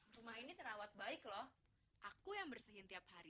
rumah ini terawat baik loh aku yang bersihin tiap hari